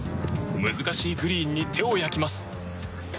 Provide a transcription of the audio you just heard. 難しいグリーンに手を焼きます。